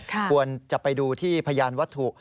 ควรจะไปดูที่พยานวัตถุ